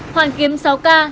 hoàng kiếm sáu ca